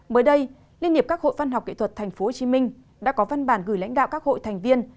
mới đây liên hiệp các hội văn học kỹ thuật tp hcm đã có văn bản gửi lãnh đạo các hội thành viên